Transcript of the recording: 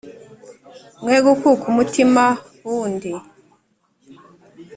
Mwegukuka umutima bundi,